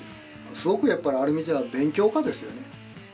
すごくやっぱりある意味じゃ勉強家ですよね